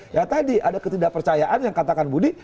ya tadi ada ketidakpercayaan yang katakan budi